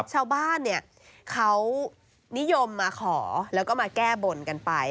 ชาวบ้านเขานิยมมาขอแล้วก็มาแก้บนกันไป